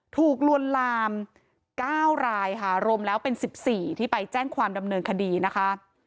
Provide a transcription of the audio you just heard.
ลวนลาม๙รายค่ะรวมแล้วเป็น๑๔ที่ไปแจ้งความดำเนินคดีนะคะ